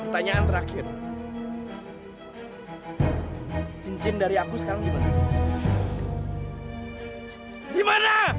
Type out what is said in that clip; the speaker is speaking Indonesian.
sampai jumpa di video selanjutnya